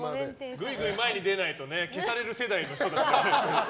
ぐいぐい前に出ないと消される世代の人たちだから。